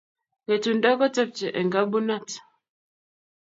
Ng'etundo kotepche eng ngabunat.